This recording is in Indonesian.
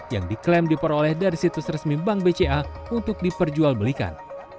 yang diklaim diperoleh dari situs resmi bank bca untuk diperjualbelikan